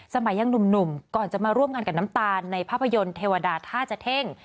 สมัยยังหนุ่มก่อนจะมาร่วมงานกับน้ำตาลในภาพยนตร์เทวดาท่าจะเท่ง